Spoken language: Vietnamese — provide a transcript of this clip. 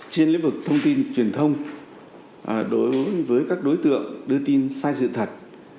trên lĩnh vực thông tin truyền thông đối với các đối tượng đưa tin sai sự thật